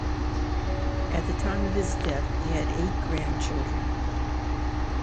At the time of his death he had eight grand children.